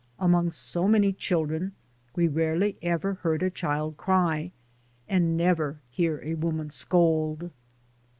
Among so many children, we rarely ever hear a child cry, and never hear a woman scold.